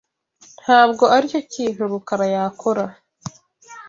Ntabwo aricyo kintu Rukara yakora.